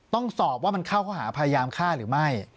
ต้องสอบว่ามันเข้าเขาหาพยายามฆ่าหรือไม่